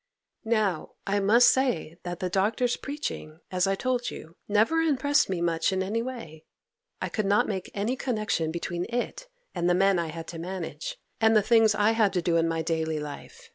'Now I must say that the Doctor's preaching, as I told you, never impressed me much in any way. I could not make any connection between it and the men I had to manage, and the things I had to do in my daily life.